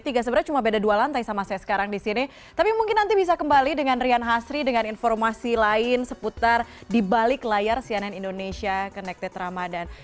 sebenarnya cuma beda dua lantai sama saya sekarang di sini tapi mungkin nanti bisa kembali dengan rian hasri dengan informasi lain seputar di balik layar cnn indonesia connected ramadan